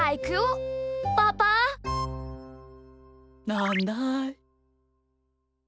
なんだい？